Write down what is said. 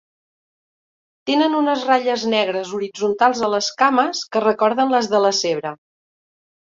Tenen unes ratlles negres horitzontals a les cames que recorden les de la zebra.